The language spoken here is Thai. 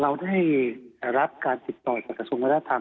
เราได้รับการติดต่อจากกระทรวงวัฒนธรรม